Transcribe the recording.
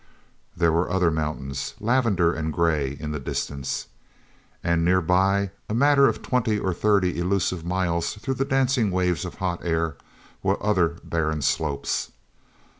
There were other mountains, lavender and gray, in the distance. And nearer by, a matter of twenty or thirty elusive miles through the dancing waves of hot air, were other barren slopes.